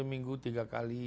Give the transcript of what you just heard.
satu minggu tiga kali